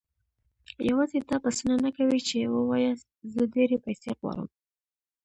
يوازې دا بسنه نه کوي چې وواياست زه ډېرې پيسې غواړم.